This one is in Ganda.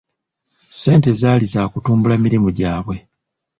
Ssente zaali za kutumbula mirimu gyabwe.